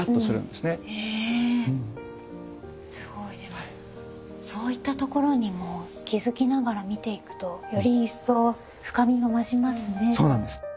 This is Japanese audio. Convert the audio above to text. でもそういったところにも気付きながら見ていくとより一層深みが増しますね。